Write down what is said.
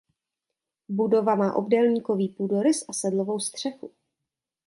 Budova má obdélníkový půdorys a sedlovou střechu.